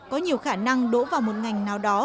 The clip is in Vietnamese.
có nhiều khả năng đổ vào một ngành nào đó